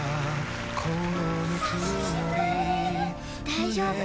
大丈夫。